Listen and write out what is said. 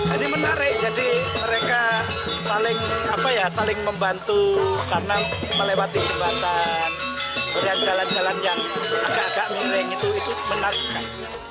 ini menarik jadi mereka saling membantu karena melewati jembatan kemudian jalan jalan yang agak agak ngeri itu menarik sekali